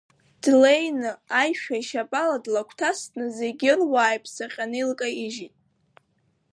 Длеины аишәа ишьапала длагәҭасны зегьы ирууаа иԥсаҟьаны илкаижьит.